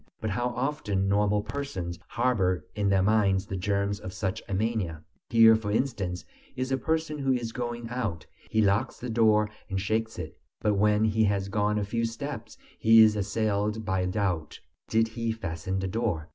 But how often normal persons harbor in their minds the germs of such a mania! Here, for instance, is a person who is going out; he locks the door and shakes it; but when he has gone a few steps he is assailed by doubt: did he fasten the door?